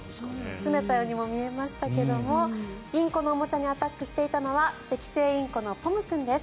すねたようにも見えましたけどもインコのおもちゃにアタックしていたのはセキセイインコのポム君です。